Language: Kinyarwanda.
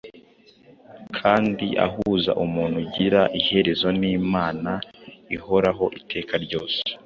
kandi ahuza umuntu ugira iherezo n’Imana ihoraho iteka ryose.